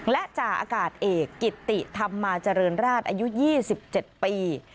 และจ่าอากาศเอกกิตติธรรมาเจริญราชอายุ๒๗ปี